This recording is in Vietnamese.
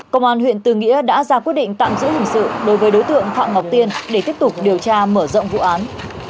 công an huyện tư nghĩa đã ra quyết định tạm giữ hình sự đối với đối tượng phạm ngọc tiên để tiếp tục điều tra mở rộng vụ án